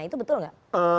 itu betul tidak